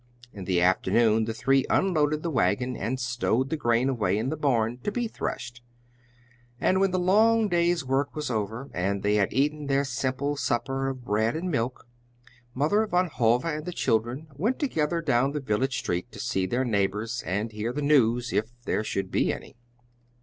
In the afternoon the three unloaded the wagon and stowed the grain away in the barn to be threshed; and when the long day's work was over, and they had eaten their simple supper of bread and milk, Mother Van Hove and the children went together down the village street to see their neighbors and hear the news, if there should be any.